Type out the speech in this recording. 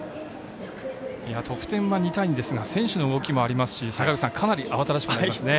得点は２対２ですが選手の動きもありますしかなり慌ただしくなっていますね。